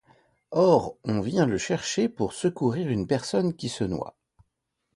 Or, on vient le chercher pour secourir une personne qui se noie.